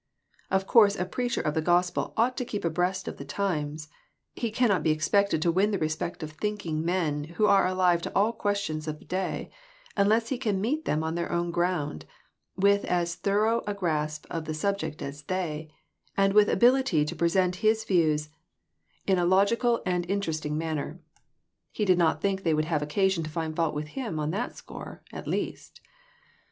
Of course a preacher of the gospel ought to keep abreast of the times ; he cannot be expected to win the respect of thinking men, who are alive to all questions of the day, unless he can meet them on their own ground, with as thorough a grasp of the subject as they, and with ability to present his views in a logical and interesting man PRECIPITATION. 345 ner. He did not think they would have occasion to find fault with him on that score, at least.